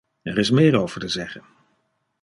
Er is meer over te zeggen.